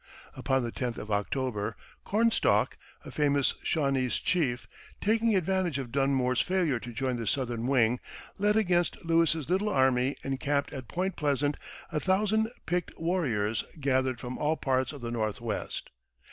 Upon the tenth of October, Cornstalk, a famous Shawnese chief, taking advantage of Dunmore's failure to join the southern wing, led against Lewis's little army encamped at Point Pleasant a thousand picked warriors gathered from all parts of the Northwest.